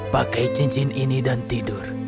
pakai cincin ini dan tidur